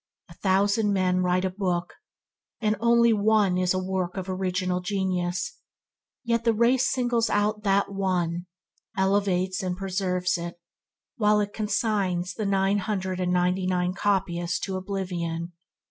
A thousand men write a book, and one only is a work of original genius, yet the race singles out that one, elevates and preserves it, while it consigns the nine hundred and ninety nine copyists to oblivion.